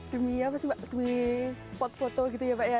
demi apa sih pak demi spot foto gitu ya pak ya